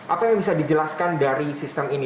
apa yang bisa dijelaskan dari sistem ini